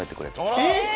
えっ！